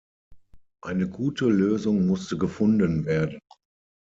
Eine gute Lösung musste gefunden werden.